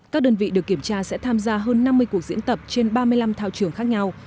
các đơn vị được kiểm tra sẽ tham gia hơn năm mươi cuộc diễn tập trên ba mươi năm thao trường khác nhau